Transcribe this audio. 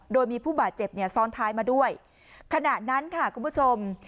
โดยมีผู้บาดเจ็บเนี่ยซ้อนท้ายมาด้วยขณะนั้นค่ะคุณผู้ชม